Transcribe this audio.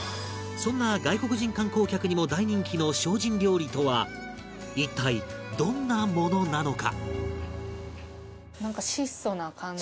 そんな外国人観光客にも大人気の精進料理とは一体どんなものなのか？